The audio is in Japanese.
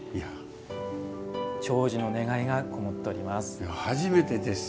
長寿の願いがこもっております。